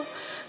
kamu udah paham